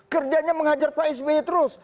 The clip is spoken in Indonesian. kerjanya menghajar pak sby terus